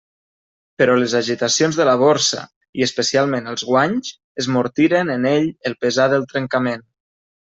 Però les agitacions de la Borsa, i especialment els guanys, esmortiren en ell el pesar del trencament.